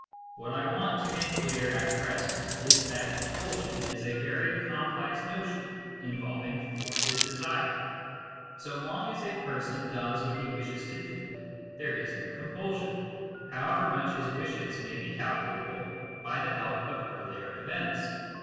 What I want to make clear at present is that compulsion is a very complex notion, involving thwarted desire. So long as a person does what he wishes to do, there is no compulsion, however much his wishes may be calculable by the help of earlier events.